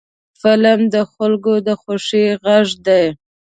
فلم د خلکو د خوښۍ غږ دی